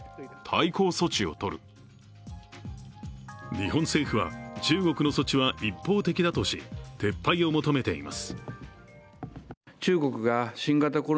日本政府は中国の措置は一方的だとし、撤廃を求めています。